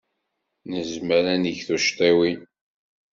Nezmer ad neg tuccḍiwin.